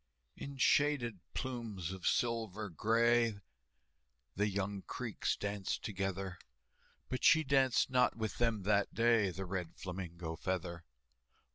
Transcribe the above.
In shaded plumes of silver gray, The young Creeks danced together, But she danced not with them that day, The Red Flamingo Feather.